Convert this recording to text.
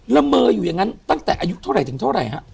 ละเมออยู่อย่างนั้นตั้งแต่อายุเท่าไหร่ถึงเท่าไหร่ฮะ